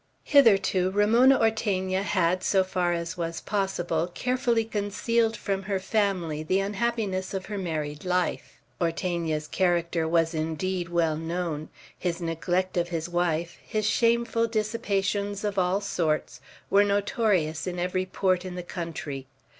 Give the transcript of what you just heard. Hitherto Ramona Ortegna had, so far as was possible, carefully concealed from her family the unhappiness of her married life. Ortegna's character was indeed well known; his neglect of his wife, his shameful dissipations of all sorts, were notorious in every port in the country.